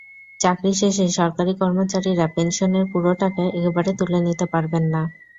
চাকরি শেষে সরকারি কর্মচারীরা পেনশনের পুরো টাকা একবারে তুলে নিতে পারবেন না।